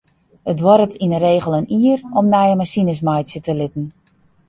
It duorret yn de regel in jier om nije masines meitsje te litten.